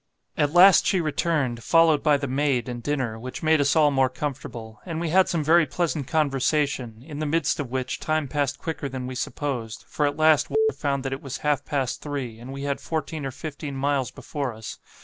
At last she returned, followed by the maid and dinner, which made us all more comfortable; and we had some very pleasant conversation, in the midst of which time passed quicker than we supposed, for at last W found that it was half past three, and we had fourteen or fifteen miles before us.